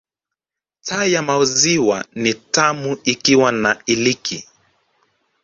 Chai ya maziwa ni tamu ikiwa na iliki